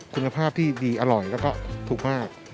คุณภาพดีอร่อยถูกมาก